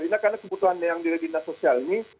ini karena kebutuhan yang di dinas sosial ini